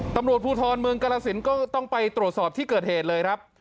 ตำรวจภูทรเมืองกรสินก็ต้องไปตรวจสอบที่เกิดเหตุเลยครับ